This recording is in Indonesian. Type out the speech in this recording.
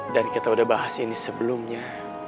dan kita udah bahas ini sebelumnya